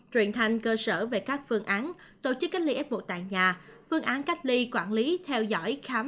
truyền thanh cơ sở về các phương án tổ chức cách ly ép bộ tại nhà phương án cách ly quản lý theo dõi khám